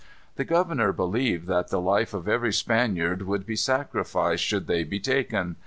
The governor believed that the life of every Spaniard would be sacrificed should they be taken.